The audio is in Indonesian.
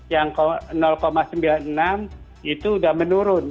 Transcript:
yang sembilan puluh enam itu sudah menurun